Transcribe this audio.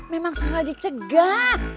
memang susah dicegah